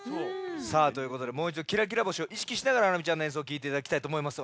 さあということでもういちど「きらきら星」をいしきしながらハラミちゃんのえんそうをきいていただきたいとおもいます。